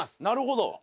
なるほど。